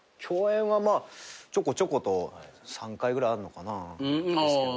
共演はまあちょこちょこと３回ぐらいあんのかな。